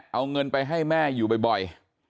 เอาเงินไปให้แม่อยู่บ่อย